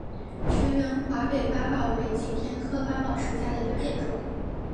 全缘华北八宝为景天科八宝属下的一个变种。